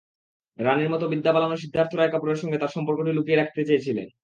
রানীর মতো বিদ্যা বালানও সিদ্ধার্থ রায় কাপুরের সঙ্গে তাঁর সম্পর্কটি লুকিয়ে রাখতে চেয়েছিলেন।